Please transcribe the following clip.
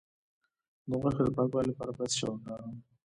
د غوښې د پاکوالي لپاره باید څه شی وکاروم؟